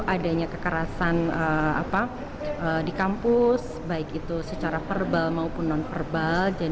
adanya kekerasan di kampus baik itu secara verbal maupun non verbal